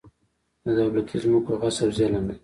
د دولتي ځمکو غصب ظلم دی.